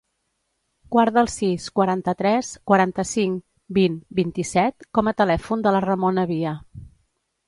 Guarda el sis, quaranta-tres, quaranta-cinc, vint, vint-i-set com a telèfon de la Ramona Via.